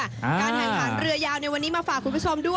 การแข่งขันเรือยาวในวันนี้มาฝากคุณผู้ชมด้วย